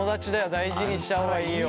大事にした方がいいよ。